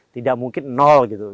tidak mungkin nol gitu